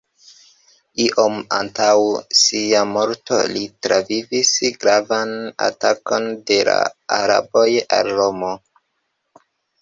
Iom antaŭ sia morto, li travivis gravan atakon de la araboj al Romo.